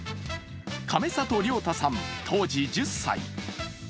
亀里涼太さん、当時１０歳。